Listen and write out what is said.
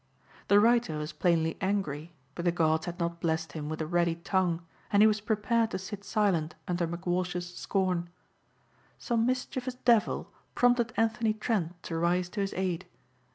The writer was plainly angry but the gods had not blessed him with a ready tongue and he was prepared to sit silent under McWalsh's scorn. Some mischievous devil prompted Anthony Trent to rise to his aid.